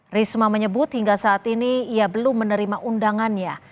risma menyebut hingga saat ini ia belum menerima undangannya